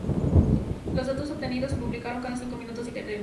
Los datos obtenidos se publican cada cinco minutos en Internet.